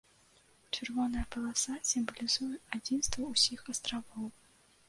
Чырвоная паласа сімвалізуе адзінства ўсіх астравоў.